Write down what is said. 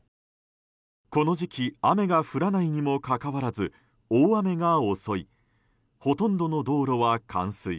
この時期雨が降らないにもかかわらず大雨が襲いほとんどの道路は冠水。